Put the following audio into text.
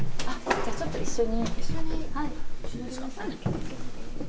じゃあちょっと一緒に。